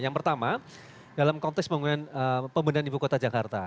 yang pertama dalam konteks pembenahan ibu kota jakarta